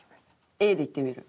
Ａでいってみる？